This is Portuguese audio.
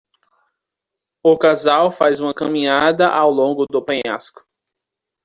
O casal faz uma caminhada ao longo do penhasco.